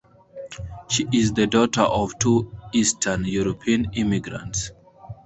She is the daughter of two Eastern European immigrants.